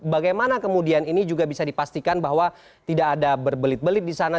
bagaimana kemudian ini juga bisa dipastikan bahwa tidak ada berbelit belit di sana